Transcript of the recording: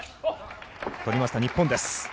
取りました、日本です。